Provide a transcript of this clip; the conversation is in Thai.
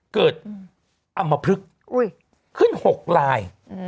อำมพลึกขึ้น๖ลาย